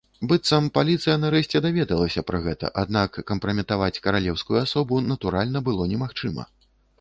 Быццам, паліцыя нарэшце даведалася пра гэта, аднак кампраметаваць каралеўскую асобу, натуральна, было немагчыма.